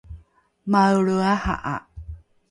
maelre aha’a